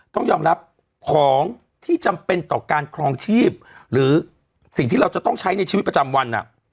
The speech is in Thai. ต้องยอมรับของที่จำเป็นต่อการครองชีพหรือสิ่งที่เราจะต้องใช้ในชีวิตประจำวัน